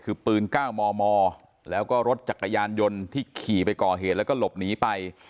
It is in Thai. คือปืน๙มมแล้วก็รถจักรยานยนต์ที่ขี่ไปก่อเหตุแล้วก็หลบหนีไป